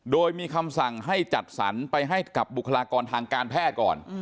โดยมีคำสั่งให้จัดสรรไปให้กับบุคลากรทางการแพทย์ก่อน